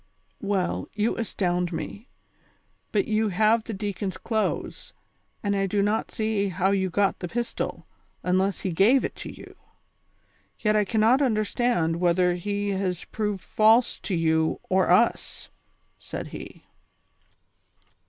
"Well, you astound me; but you have the deacon's 202 THE SOCIAL WAR OF 1900; OR, clothes, and 1 do not see how you got the pistol, unless lie gave it to you ; yet, I cannot understand wiiether he has proved false to you or us," said he.